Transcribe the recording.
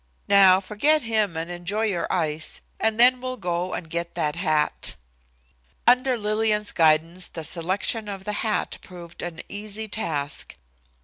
Now forget him and enjoy your ice, and then we'll go and get that hat." Under Lillian's guidance the selection of the hat proved an easy task.